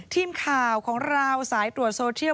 ทีมข่าวของเราสายตรวจโซเทียล